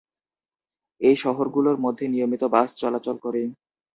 এই শহরগুলোর মধ্যে নিয়মিত বাস চলাচল করে।